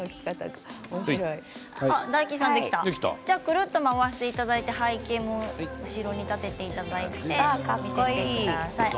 くるっと回していただいて背景も後ろに立てていただいて見せてください。